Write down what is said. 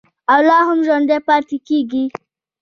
او لا هم ژوندی پاتې کیږي.